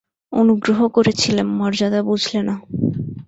অনুগ্রহ করেছিলেম, মর্যাদা বুঝলে না।